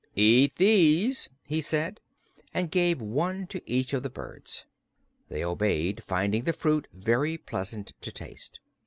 "Eat these," he said, and gave one to each of the birds. They obeyed, finding the fruit very pleasant to taste.